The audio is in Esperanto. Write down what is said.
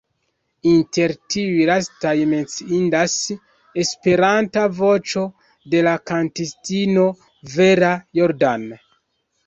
Inter tiuj lastaj menciindas "Esperanta Voĉo", de la kantistino Vera Jordan.